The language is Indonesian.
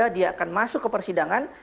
dia akan masuk ke persidangan